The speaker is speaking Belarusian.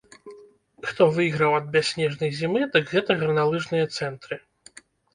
Хто выйграў ад бясснежнай зімы, дык гэта гарналыжныя цэнтры!